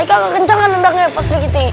haikal nggak kencang nandangnya pak sri kiti